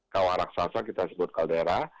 kawah raksasa kita sebut kaldera